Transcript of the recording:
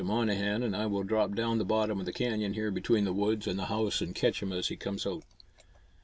Monnehan and I will drop down to the bottom of the canyon here between the woods and the house and catch him as he comes out."